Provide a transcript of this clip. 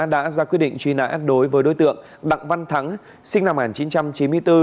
đã ra quyết định truy nã đối với đối tượng đặng văn thắng sinh năm một nghìn chín trăm chín mươi bốn